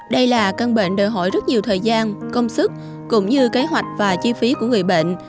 đây là căn bệnh đòi hỏi rất nhiều thời gian công sức cũng như kế hoạch và chi phí của người bệnh